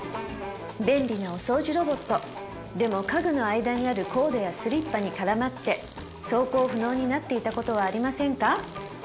便利なお掃除ロボットでも家具の間にあるコードやスリッパに絡まって走行不能になっていたことはありませんか？